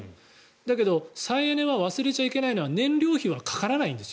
だけど再エネは忘れちゃいけないのは燃料費はかからないです。